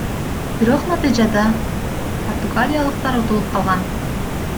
Бирок натыйжада португалиялыктар утулуп калган.